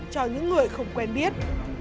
cho những người không quen biết